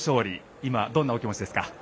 今、どんなお気持ちですか？